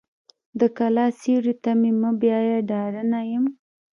د کلا سیوري ته مې مه بیایه ډارنه یم.